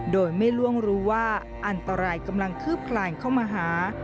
โดยไม่ล่วงรู้ว่าอันตรายกำลังคืบคลายเข้ามาหา